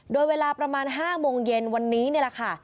โดยเวลาประมาณ๕โมงเย็นวันนี้นี่แหละค่ะ